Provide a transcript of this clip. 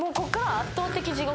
圧倒的地獄？